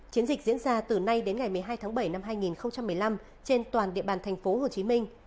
chiến dịch diễn ra từ nay đến ngày một mươi hai tháng bảy năm hai nghìn một mươi năm trên toàn địa bàn thành phố hồ chí minh